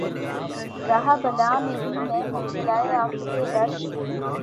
رہا بلا میں بھی میں مبتلائے آفت رشک